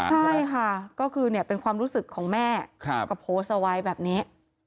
ใช่ค่ะก็คือเป็นความรู้สึกของแม่ก็โพสต์เอาไว้แบบนี้